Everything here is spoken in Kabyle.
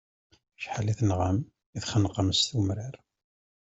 Acḥal i tenɣam, i txenqem s umrar.